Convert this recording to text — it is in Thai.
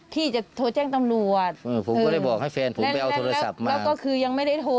ที่น้องเขายืน